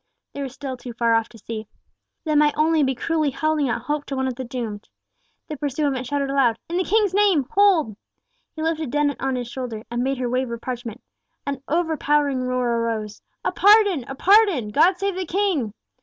They were still too far off to see. They might only be cruelly holding out hope to one of the doomed. The pursuivant shouted aloud—"In the King's name, Hold!" He lifted Dennet on his shoulder, and bade her wave her parchment. An overpowering roar arose. "A pardon! a pardon! God save the King!"